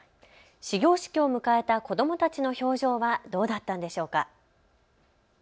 始業式を迎えた子どもたちの表情はどうだったんでしょうか。